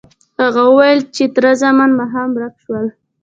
هغه وویل چې تره زامن ماښام ورک شول.